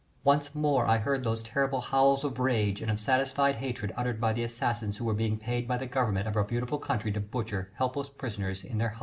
Once more I heard those terrible howls of rage and of satisfied hatred uttered by the assassins who were being paid by the Government of our beautiful country to butcher helpless prisoners in their hundreds.